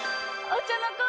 お茶の子